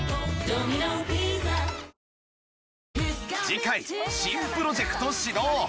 次回新プロジェクト始動！